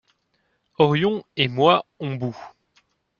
Orion et moi on bout.